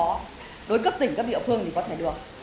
đối với cấp tỉnh cấp địa phương thì có thể được